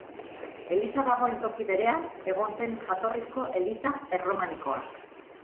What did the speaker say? Eliza dagoen toki berean egon zen jatorrizko eliza erromanikoa.